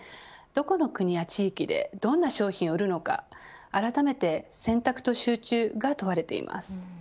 どこの国や地域でどんな商品を売るのかあらためて選択と集中が問われています。